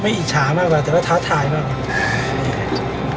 ไม่อิฉามากกว่าแต่ว่าทัศน์ถ่ายมาก